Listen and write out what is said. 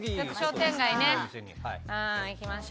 商店街ね行きましょう。